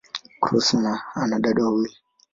Cross ana dada wawili.